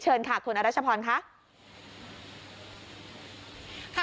เชิญค่ะคุณอาจารย์ชะพรค่ะ